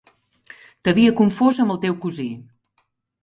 T'havia confós amb el teu cosí.